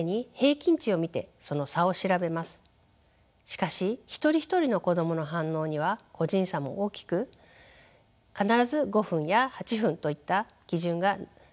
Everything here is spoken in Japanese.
しかし一人一人の子供の反応には個人差も大きく必ず５分や８分といった基準が成立するとも限りません。